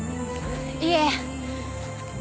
いえ。